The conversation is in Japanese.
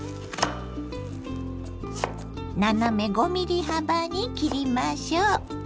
斜め５ｍｍ幅に切りましょう。